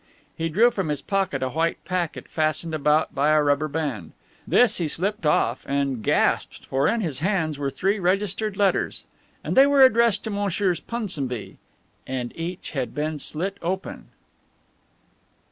He drew from his pocket a white packet, fastened about by a rubber band. This he slipped off and gasped, for in his hands were three registered letters, and they were addressed to Messrs. Punsonby, and each had been slit open.